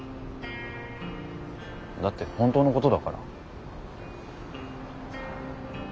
だって本当のことだから。